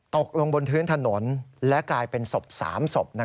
ตกลงบนพื้นถนนและกลายเป็นศพ๓ศพ